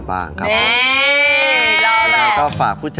ดูนั่งดู